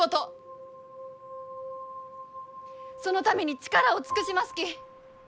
そのために力を尽くしますき。